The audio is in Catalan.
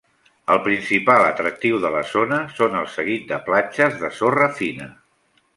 El principal atractiu de la zona són el seguit de platges de sorra fina.